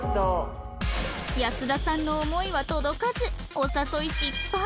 保田さんの思いは届かずお誘い失敗